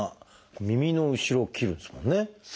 耳の後ろを切るんですもんね。